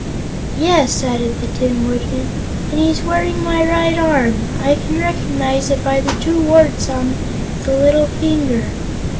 "Yes," added the Tin Woodman, "and he's wearing my right arm! I can recognize it by the two warts on the little finger."